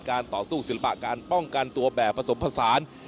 ต่อสู้ศิลปะการป้องกันตัวแบบผสมผสาน